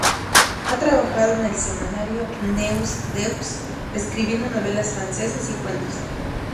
Ha trabajado con el semanario "Neus Deux" escribiendo novelas francesas y cuentos.